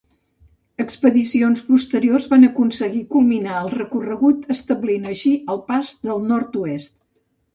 Expedicions posteriors van aconseguir culminar el recorregut establint així el Pas del Nord-oest.